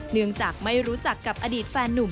เนื่องจากไม่รู้จักกับอดีตแฟนนุ่ม